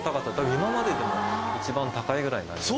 今まででも一番高いぐらいになります。